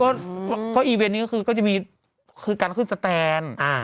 ก็ก็อีเวนต์นี้ก็คือก็จะมีคือการขึ้นแสตนด์อ่า